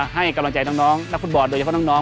ให้กำลังใจน้องนักคุณบอร์ดโดยค่อน้อง